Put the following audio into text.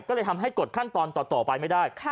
ก็เลยทำให้กดขั้นตอนต่อไปไม่ได้